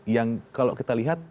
yang kalau kita lihat